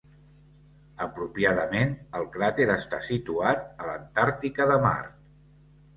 Apropiadament, el crater està situat a l'Antàrtica de Mart.